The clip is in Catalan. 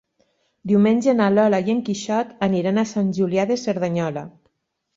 Diumenge na Lola i en Quixot aniran a Sant Julià de Cerdanyola.